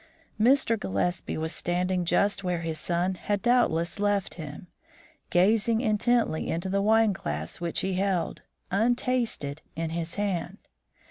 Mr. Gillespie was standing just where his son had doubtless left him, gazing intently into the wine glass which he held, untasted, in his hand.